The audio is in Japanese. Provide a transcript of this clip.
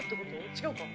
違うか。